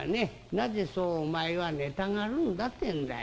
『なぜそうお前は寝たがるんだ』ってんだよ。